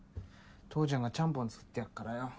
父ちゃんがちゃんぽん作ってやっからよ。